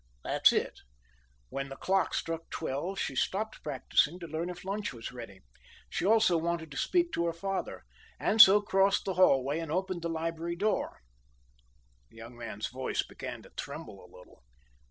"That's it. When the clock struck twelve she stopped practicing to learn if lunch was ready. She also wanted to speak to her father, and so crossed the hallway and opened the library door." The young man's voice began to tremble a little.